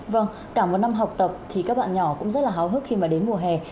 vâng cả một năm học tập thì các bạn nhỏ cũng rất là háo hức khi mà đến mùa hè